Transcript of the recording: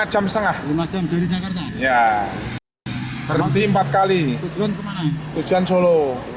lima jam setengah berhenti empat kali tujuan solo